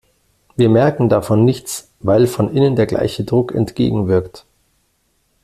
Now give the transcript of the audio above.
Wir merken davon nichts, weil von innen der gleiche Druck entgegenwirkt.